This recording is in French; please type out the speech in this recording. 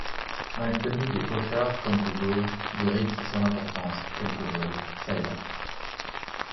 Maltenu Des pochards, comme toujours… des rixes sans importance… quelques vols… çà et là…